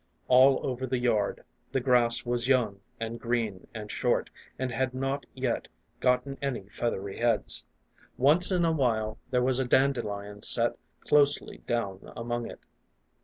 All over the yard, the grass was young and green and short, and had not yet gotten any feathery heads. Once in a while there was a dandelion set closely down among it.